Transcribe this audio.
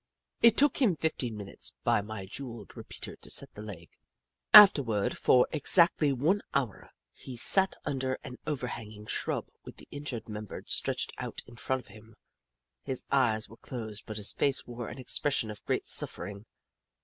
It took him fifteen minutes by my jewelled repeater to set the leg. Afterward, for ex actly one hour, he sat under an overhanging shrub with the injured member stretched out in front of him. His eyes were closed but his face wore an expression of great sufTering.